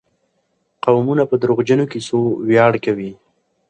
قومونه په دروغجنو کيسو وياړ کوي.